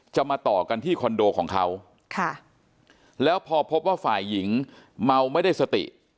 มาต่อกันที่คอนโดของเขาแล้วพอพบว่าฝ่ายหญิงเมาไม่ได้สติ